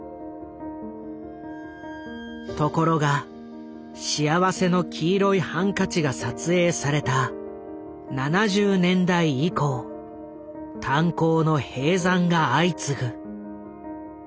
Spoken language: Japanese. ところが「幸福の黄色いハンカチ」が撮影された７０年代以降炭鉱の閉山が相次ぐ。